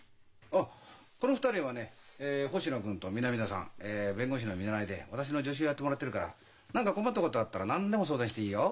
あっこの２人はね星野君と南田さん。え弁護士の見習いで私の助手をやってもらってるから何か困ったことあったら何でも相談していいよ。